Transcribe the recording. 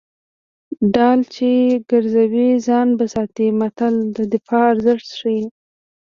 ډال چې ګرځوي ځان به ساتي متل د دفاع ارزښت ښيي